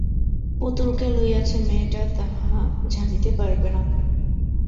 পুতুল কে লইয়াছে মেয়েটা তাহা জানিতে পারবে না।